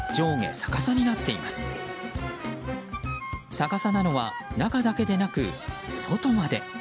逆さなのは中だけでなく外まで。